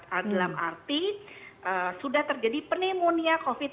dalam arti sudah terjadi penemonia covid sembilan belas